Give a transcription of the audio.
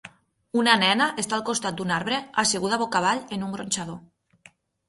Una nena està al costat d'un arbre asseguda boca avall en un gronxador.